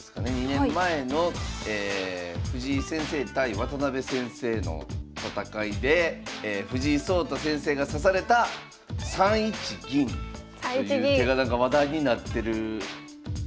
２年前の藤井先生対渡辺先生の戦いで藤井聡太先生が指された３一銀という手がなんか話題になってたじゃないですか。